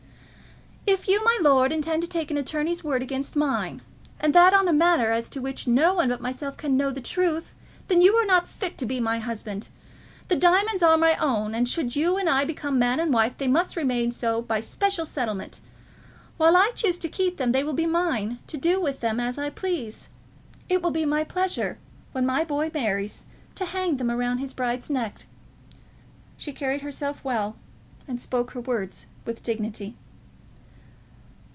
"If you, my lord, intend to take an attorney's word against mine, and that on a matter as to which no one but myself can know the truth, then you are not fit to be my husband. The diamonds are my own, and should you and I become man and wife, they must remain so by special settlement. While I choose to keep them they will be mine, to do with them as I please. It will be my pleasure, when my boy marries, to hang them round his bride's neck." She carried herself well, and spoke her words with dignity.